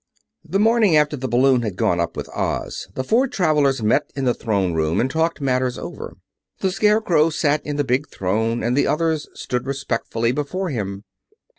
The morning after the balloon had gone up with Oz, the four travelers met in the Throne Room and talked matters over. The Scarecrow sat in the big throne and the others stood respectfully before him.